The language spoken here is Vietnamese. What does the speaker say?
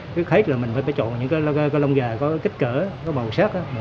thứ hết là mình phải chọn những cái lông gà có kích cỡ có màu sắc